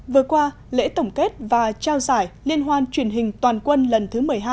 vừa qua lễ tổng kết và trao giải liên hoan truyền hình toàn quân lần thứ một mươi hai